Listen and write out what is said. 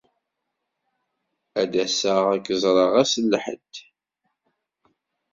Ad d-aseɣ ad k-ẓreɣ ass n Lḥedd.